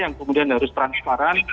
yang kemudian harus transparan